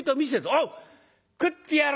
「おう食ってやる！